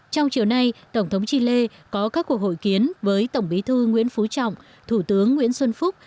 trong chiều nay tổng thống chile có các cuộc hội kiến với tổng bí thư nguyễn phú trọng thủ tướng nguyễn xuân phúc